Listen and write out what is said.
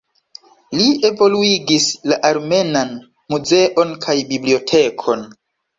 Li evoluigis la armenan muzeon kaj bibliotekon.